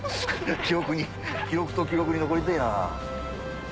記憶に記憶と記録に残りてぇな。